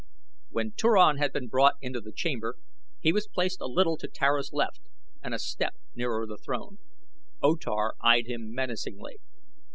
When Turan had been brought into the chamber he was placed a little to Tara's left and a step nearer the throne. O Tar eyed him menacingly.